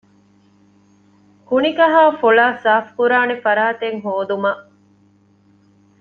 ކުނިކަހައި ފޮޅައި ސާފުކުރާނެ ފަރާތެއް ހޯދުމަށް